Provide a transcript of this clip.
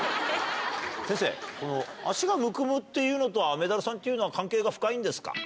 先生、この足がむくむっていうのと、雨ダルさんっていうのは関係が深いんですか。